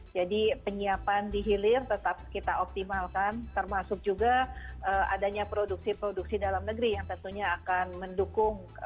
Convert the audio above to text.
jadi penyiapan dihilir tetap kita optimalkan termasuk juga adanya produksi produksi dalam negeri yang tentunya akan mendukung